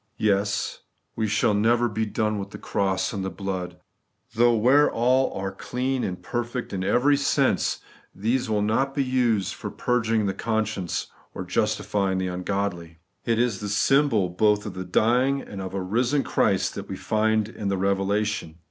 Yes, we shall never be done with the cross and the blood ; though, where all are clean and perfect in every sense, these wiU not be used for purging the conscience or justifying the ungodly. It is the symbol both of a dying and of a risen Christ that we find in the Eevelation.